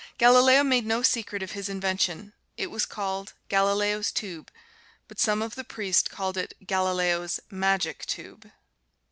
Galileo made no secret of his invention. It was called "Galileo's Tube," but some of the priests called it Galileo's "Magic Tube."